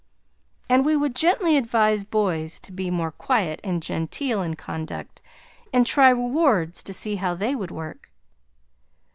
And we would gently advise boys to be more quiet and genteel in conduct and try rewards to see how they would work.